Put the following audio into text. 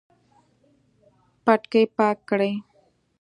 پټکی پاک کړئ